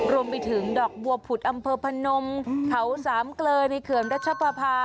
รวมไปถึงดอกบัวผุดอำเภอพนมเขาสามเกลอในเขื่อนรัชปภา